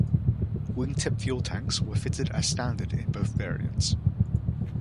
Wingtip fuel tanks were fitted as standard in both variants.